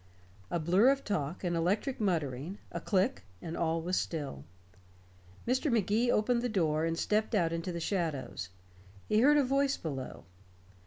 A blur of talk, an electric muttering, a click, and all was still. Mr. Magee opened the door and stepped out into the shadows. He heard a voice below.